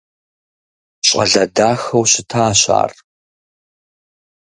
ЩӀалэ дахэу щытащ ар.